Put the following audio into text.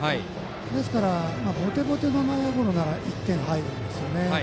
ですからボテボテの内野ゴロなら１点入るんですね。